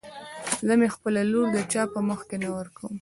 زه مې خپله لور د چا په مخکې نه ورکم.